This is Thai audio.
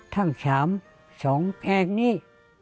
ท่างฉามส่องแอ่งนี้